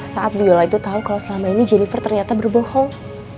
saat biola itu tahu kalau selama ini jennifer ternyata berbohong